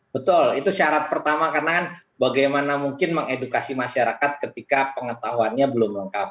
betul itu syarat pertama karena kan bagaimana mungkin mengedukasi masyarakat ketika pengetahuannya belum lengkap